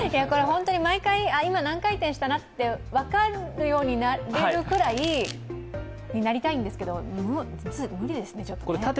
本当に毎回、今何回転したなと分かるようになれるくらいになりたいんですけど、無理ですね、ちょっとね。